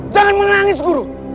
jangan menangis guru